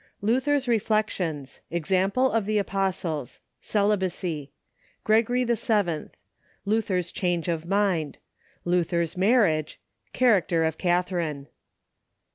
Luther's Reflections—Example of the Apostles—Celibacy—Gregory VII.—Luther's Change of Mind—Luther's Marriage—Character of Catharine.